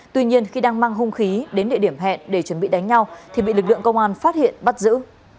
tuy nhiên khi đang mang hung khí đến địa điểm hẹn để chuẩn bị đánh nhau thì bị lực lượng công an phát hiện bắt giữ